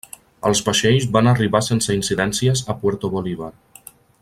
Els vaixells van arribar sense incidències a Puerto Bolívar.